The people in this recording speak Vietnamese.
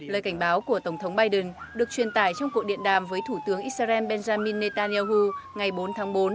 lời cảnh báo của tổng thống biden được truyền tải trong cuộc điện đàm với thủ tướng israel benjamin netanyahu ngày bốn tháng bốn